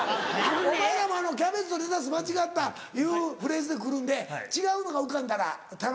お前らも「キャベツとレタス間違った」いうフレーズで来るんで違うのが浮かんだら頼むね。